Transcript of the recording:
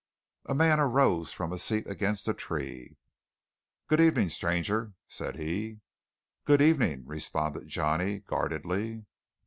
A man rose from a seat against a tree trunk. "Good evenin', stranger," said he. "Good evening," responded Johnny guardedly.